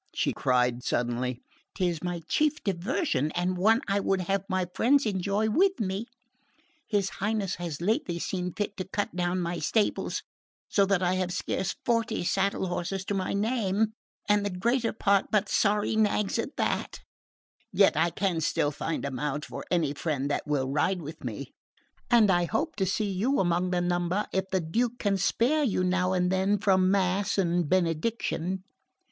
she cried suddenly. "'Tis my chief diversion and one I would have my friends enjoy with me. His Highness has lately seen fit to cut down my stables, so that I have scarce forty saddle horses to my name, and the greater part but sorry nags at that; yet I can still find a mount for any friend that will ride with me and I hope to see you among the number if the Duke can spare you now and then from mass and benediction.